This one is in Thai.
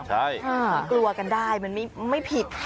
ใช่มันกลัวกันได้มันไม่ผิด